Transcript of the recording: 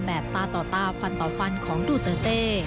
ตาต่อตาฟันต่อฟันของดูเตอร์เต้